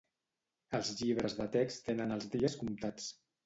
Els llibres de text tenen els dies comptats.